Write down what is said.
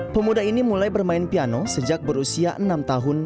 pemuda ini mulai bermain piano sejak berusia enam tahun